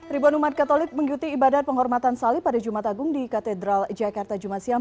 ribuan umat katolik mengikuti ibadat penghormatan salib pada jumat agung di katedral jakarta jumat siang